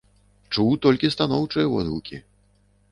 Чуў толькі станоўчыя водгукі!